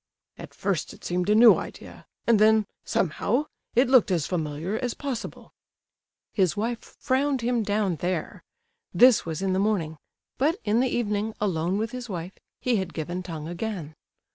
At first, it seemed a new idea, and then, somehow, it looked as familiar as possible." His wife frowned him down there. This was in the morning; but in the evening, alone with his wife, he had given tongue again.